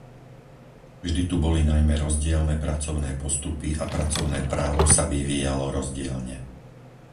Vždy tu boli najmä rozdielne pracovné postupy a pracovné právo sa vyvíjalo rozdielne.